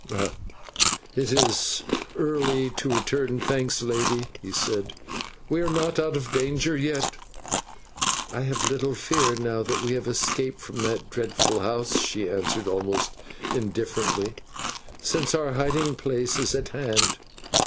"It is early to return thanks, lady," he said; "we are not out of danger yet." "I have little fear now that we have escaped from that dreadful house," she answered almost indifferently, "since our hiding place is at hand.